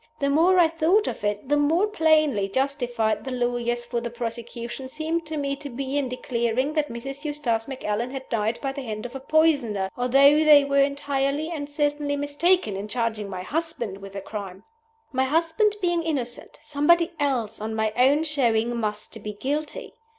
The more I thought of it, the more plainly justified the lawyers for the prosecution seemed to me to be in declaring that Mrs. Eustace Macallan had died by the hand of a poisoner although they were entirely and certainly mistaken in charging my husband with the crime. My husband being innocent, somebody else, on my own showing, must be guilty.